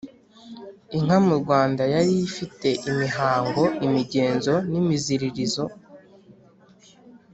inka mu rwanda yari ifite imihango, imigenzo n’imiziririzo